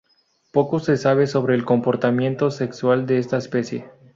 Poco se sabe sobre el comportamientos sexual de esta especie.